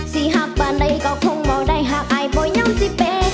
สิหากบ้านได้ก็คงบอกได้หากอายป่วยยังสิเป